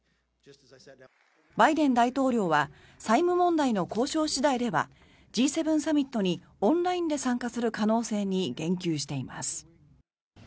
バイデン大統領は債務問題の交渉次第ではＧ７サミットにオンラインで参加する可能性に言及しています。